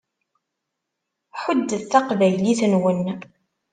Ḥuddet taqbaylit-nwen.